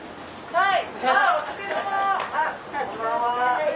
はい！